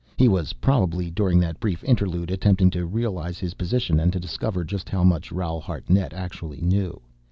He was probably, during that brief interlude, attempting to realize his position, and to discover just how much Raoul Hartnett actually knew.